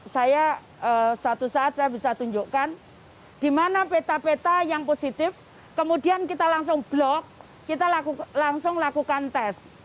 saya suatu saat saya bisa tunjukkan di mana peta peta yang positif kemudian kita langsung blog kita langsung lakukan tes